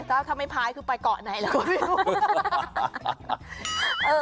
ถ้าทำให้พายคือไปเกาะไหนแล้วก็ไม่รู้